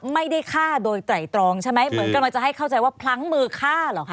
ไม่ได้ฆ่าโดยไตรตรองใช่ไหมเหมือนกำลังจะให้เข้าใจว่าพลั้งมือฆ่าเหรอคะ